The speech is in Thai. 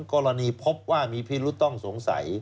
กรณีพบว่ามีพิรุษต้องสงสัย